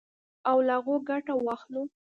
او له هغو ګټه واخلو.